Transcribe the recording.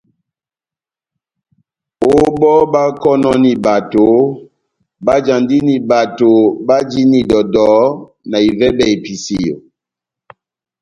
Ó bɔ́ báhákɔnɔni bato, báhájandini bato bajini dɔdɔ na ivɛbɛ episeyo.